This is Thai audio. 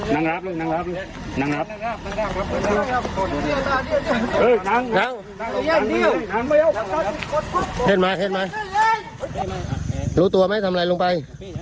นางนังนังนมามันเรียกไหมใครรู้ตัวไม่ทำไรลงไป